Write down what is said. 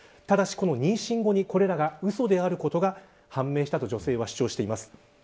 ただ、妊娠後に、これらがうそであることが判明したと女性は主張しています。